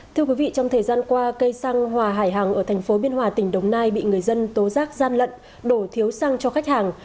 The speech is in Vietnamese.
thưa quý vị trong thời gian qua cây xăng hòa hải hàng ở thành phố biên hòa tỉnh đồng nai bị người dân tố giác gian lận đổ thiếu xăng cho khách hàng